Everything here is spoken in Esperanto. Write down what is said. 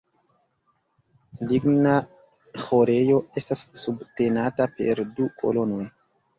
Ligna ĥorejo estas subtenata per du kolonoj.